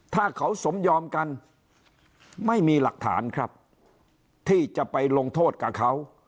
ถ้าเขาสมยอมกันไม่มีหลักฐานครับที่จะไปลงโทษกับเขา